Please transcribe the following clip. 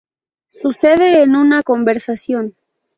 Sucede en una conversación.